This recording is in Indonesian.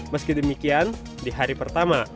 meski demikian di hari pertama